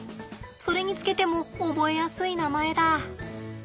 それにつけても覚えやすい名前だ。